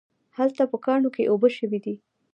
هلته په کاڼو کې اوبه شوي دي